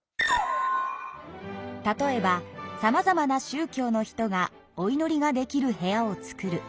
例えばさまざまなしゅう教の人がおいのりができる部屋をつくる。